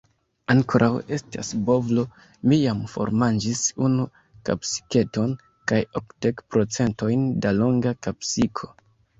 Ankoraŭ estas bovlo, mi jam formanĝis unu kapsiketon, kaj okdek procentojn da longa kapsiko.